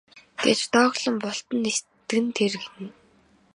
гэж дооглон бултан нисдэг нь тэр гэнэ.